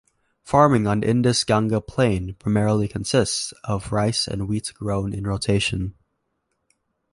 Farming on the Indus-Ganga Plain primarily consists of rice and wheat grown in rotation.